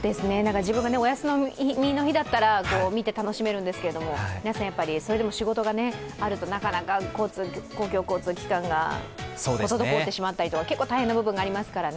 自分がお休みの日だったら見て楽しめるんですけれども、皆さんやっぱり、それでも仕事があるとなかなか公共交通機関が滞ってしまったりとか結構大変な部分がありますからね。